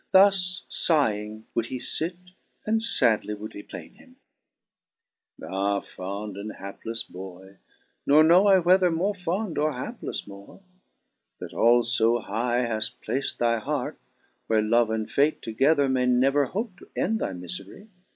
Thus iighing would he fit, and fadly would he plain him: 2. " Ah, fond and haplefle Boy ! nor know I whether More fond or haplefle more, that all fo high Haft plac't thy heart, where love and fate together May never hope to end thy mifery.